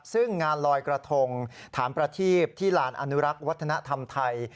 ซึ่งงานลอยกระทงถามประทีบที่ลานอนุรักษ์วัฒนธรรมไทย